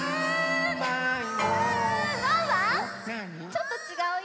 ちょっとちがうよ。